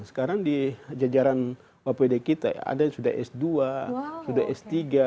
sekarang di jajaran apd kita ada sudah s dua sudah s tiga